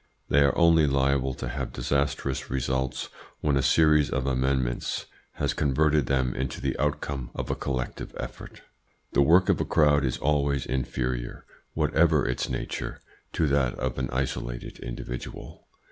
They are only liable to have disastrous results when a series of amendments has converted them into the outcome of a collective effort. The work of a crowd is always inferior, whatever its nature, to that of an isolated individual.